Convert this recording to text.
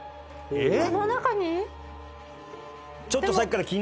えっ？